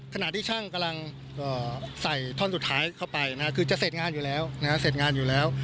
ขณะที่ช่างกำลังใส่ท่อนสุดท้ายเข้าไปคือจะเสร็จงานอยู่แล้ว